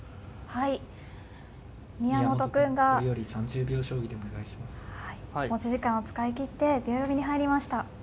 はい持ち時間を使い切って秒読みに入りました。